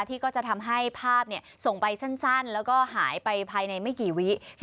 ก็จะทำให้ภาพส่งไปสั้นแล้วก็หายไปภายในไม่กี่วิ